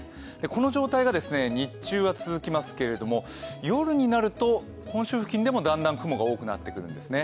この状態が日中は続きますけれども、夜になると本州付近でもだんだん雲が多くなるんですね。